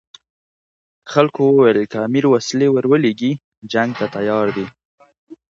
خلکو ویل که امیر وسلې ورولېږي جنګ ته تیار دي.